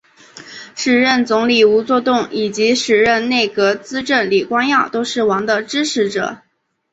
时任总理吴作栋以及时任内阁资政李光耀都是王的支持者。